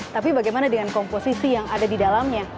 tapi bagaimana dengan komposisi yang ada di dalamnya